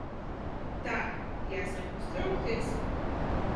Tā. Jāsāk uztraukties?